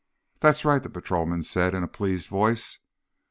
"That's right," the patrolman said in a pleased voice.